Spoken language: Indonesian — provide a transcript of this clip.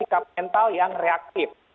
sikap mental yang reaktif